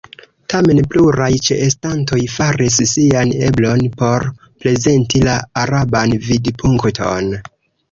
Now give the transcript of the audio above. Tamen pluraj ĉeestantoj faris sian eblon por prezenti la araban vidpunkton.